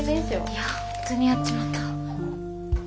いや本当にやっちまったぁ。